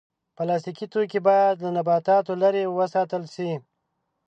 پلاستيکي توکي باید له نباتاتو لرې وساتل شي.